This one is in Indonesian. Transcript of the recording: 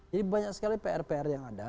jadi banyak sekali pr pr yang ada